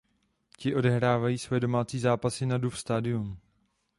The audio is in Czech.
Ti odehrávají svoje domácí zápasy na Duff Stadium.